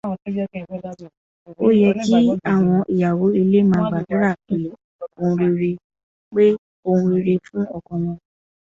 Ó yẹ kí àwọn ìyàwó ilé máa gbàdúrà pé ohun rere fún ọkọ wọn.